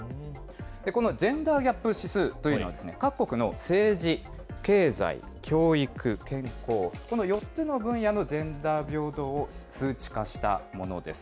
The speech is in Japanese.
このジェンダーギャップ指数というのは、各国の政治、経済、教育、健康、この４つの分野のジェンダー平等を数値化したものです。